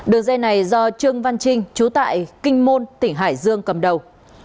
đường dây này do trương văn trinh trú tại kinh môn tỉnh hải dương cầm đầu